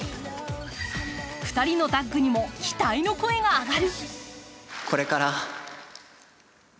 ２人のタッグにも期待の声が上がる。